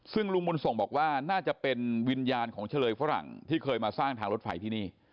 ซึ่งลุงบุญส่งบอกว่าน่าจะเป็นวิญญาณของเฉลยฝรั่งที่เคยมาสร้างทางรถไฟที่นี่